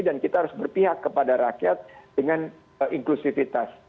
dan kita harus berpihak kepada rakyat dengan inklusivitas